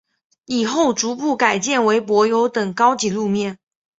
以后逐步改建为柏油等高级路面。